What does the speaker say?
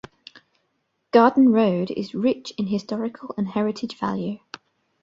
Garden Road is rich in historical and heritage value.